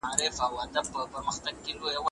هغې یوازې خپل عقل کارولی و.